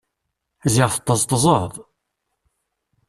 Ziɣ tṭeẓṭeẓeḍ!